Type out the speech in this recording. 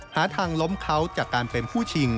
หาทางล้มเขาจากการเป็นผู้ชิง